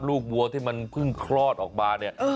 วัวที่มันเพิ่งคลอดออกมาเนี่ย